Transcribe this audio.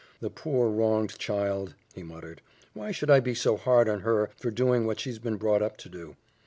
"The poor, wronged child!" he muttered. "Why should I be so hard on her for doing what she's been brought up to do?